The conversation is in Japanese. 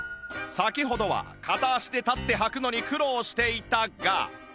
先ほどは片足で立ってはくのに苦労していたが